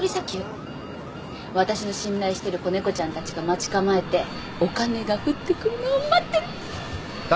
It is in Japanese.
私の信頼してる子猫ちゃんたちが待ち構えてお金が降ってくるのを待ってる！